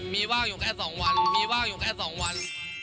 มีว่างอยู่แค่๒วันมีว่างอยู่แค่๒วัน